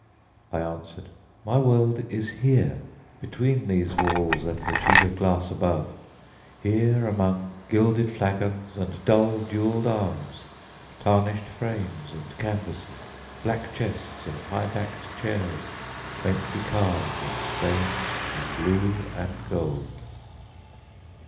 I answered, "My world is here, between these walls and the sheet of glass above; here among gilded flagons and dull jewelled arms, tarnished frames and canvasses, black chests and high backed chairs, quaintly carved and stained in blue and gold."